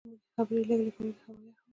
موږ یې خبرې لږ لږ اورېدلې، هوا یخه وه.